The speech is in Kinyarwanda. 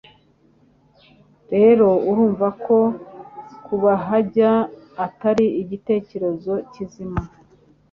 Rero urumva ko kuhajya atari igitekerezo kizima